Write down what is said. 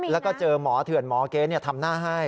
แล้วก็เจอหมอเถื่อนหมอเก๊ทำหน้าให้